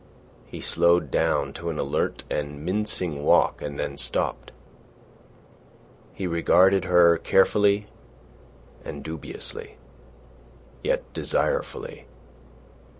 He slowed down to an alert and mincing walk and then stopped. He regarded her carefully and dubiously, yet desirefully.